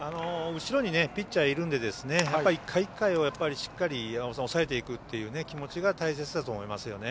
後ろにピッチャーいるので１回１回をしっかり抑えていくっていう気持ちが大切だと思います。